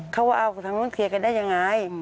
เขาว่าเอาของทางโน้นเคลียร์กันได้อย่างไร